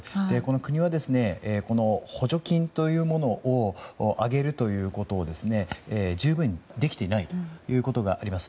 国は補助金というものを上げるということを十分できていないということがあります。